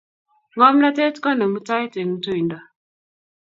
Ngomnotet konemu tait eng tuindo